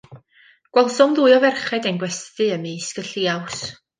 Gwelsom ddwy o ferched ein gwesty ymysg y lliaws.